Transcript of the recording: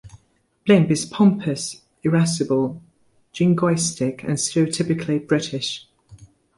Blimp is pompous, irascible, jingoistic, and stereotypically British.